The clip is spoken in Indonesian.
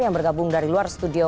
yang bergabung dari luar studio